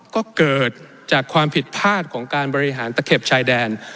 ก็เกิดจากความผิดพลาดของการบริหารตะเข็บชายแดน